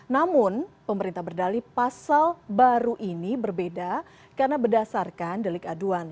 namun pemerintah berdali pasal baru ini berbeda karena berdasarkan delik aduan